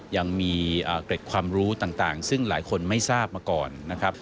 ยังมีเกร็ดความรู้ต่างซึ่งหลายคนไม่ทราบมาก่อนนะครับ